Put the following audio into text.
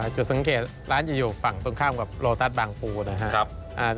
จุดสังเกตร้านจะอยู่ฝั่งตรงข้ามกับโลตัสบางปูนะครับ